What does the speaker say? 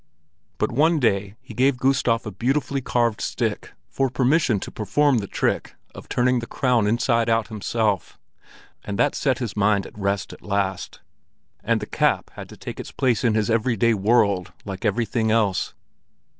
But one day he gave Gustav a beautifully carved stick for permission to perform the trick of turning the crown inside out himself; and that set his mind at rest at last, and the cap had to take its place in his everyday world like everything else.